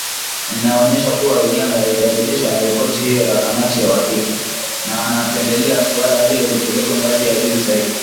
Inaonyesha kuwa Uganda haijaridhishwa na ripoti hiyo ya kamati ya uhakiki “ na wanapendelea suala hilo lipelekwe ngazi ya juu zaidi